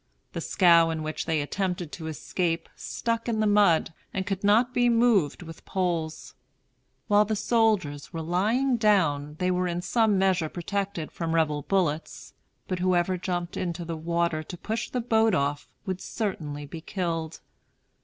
The scow in which they attempted to escape stuck in the mud, and could not be moved with poles. While the soldiers were lying down they were in some measure protected from Rebel bullets; but whoever jumped into the water to push the boat off would certainly be killed.